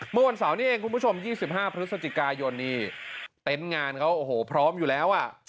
เมื่อวันเสาร์นี้เองคุณผู้ชม๒๕พฤศจิกายนนี่เต็นต์งานเขาโอ้โหพร้อมอยู่แล้วอ่ะ